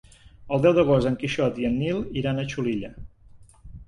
El deu d'agost en Quixot i en Nil iran a Xulilla.